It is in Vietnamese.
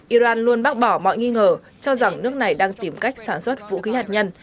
iran luôn bác bỏ mọi nghi ngờ cho rằng nước này đang tìm cách sản xuất vũ khí hạt nhân